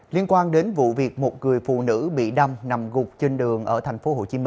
liên quan đến vụ việc một người phụ nữ bị đâm nằm gục trên đường ở tp hcm